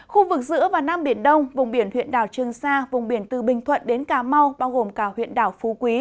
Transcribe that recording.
khu vực giữa và nam biển đông vùng biển huyện đảo trương sa vùng biển từ bình thuận đến cà mau bao gồm cả huyện đảo phú quý